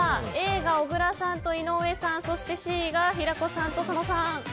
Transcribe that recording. Ａが小倉さんと井上さんそしてＣが平子さん、佐野さん。